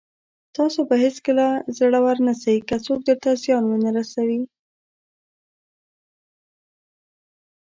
تاسو به هېڅکله زړور نسٸ، که څوک درته زيان ونه رسوي.